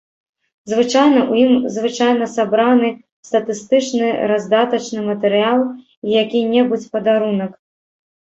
Звычайна ў ім звычайна сабраны статыстычны раздатачны матэрыял і які-небудзь падарунак.